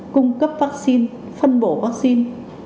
cung cấp vaccine phân bổ vaccine